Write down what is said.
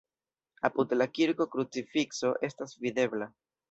Apud la kirko krucifikso estas videbla.